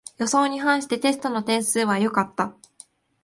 予想に反してテストの点数は良かった